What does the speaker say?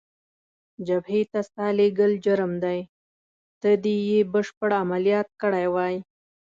جبهې ته ستا لېږل جرم دی، ته دې یې بشپړ عملیات کړی وای.